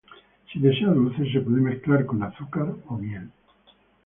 Si desea dulce se pueden mezclar con azúcar o miel.